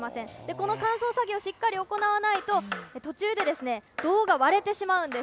この乾燥作業をしっかり行わないと、途中で胴が割れてしまうんです。